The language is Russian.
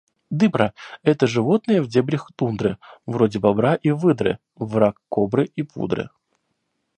Дыбра – это животное в дебрях тундры, вроде бобра и выдры, враг кобры и пудры.